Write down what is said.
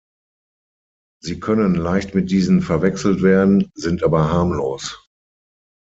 Sie können leicht mit diesen verwechselt werden, sind aber harmlos.